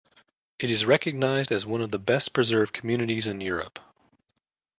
It is recognized as one of the best-preserved communities in Europe.